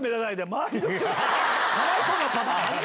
かわいそうなパターン。